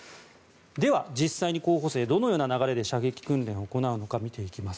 では、実際に候補生はどのような流れで射撃訓練を行うのか見ていきます。